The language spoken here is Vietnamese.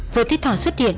vừa thiết thỏ xuất hiện